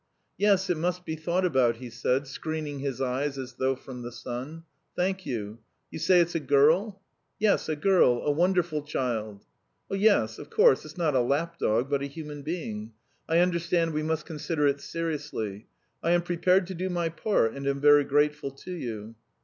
"Yes, it must be thought about," he said, screening his eyes as though from the sun. "Thank you. You say it's a girl?" "Yes, a girl. A wonderful child!" "Yes. Of course, it's not a lap dog, but a human being. I understand we must consider it seriously. I am prepared to do my part, and am very grateful to you."